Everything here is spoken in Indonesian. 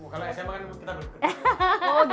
kalau sma kan kita berhenti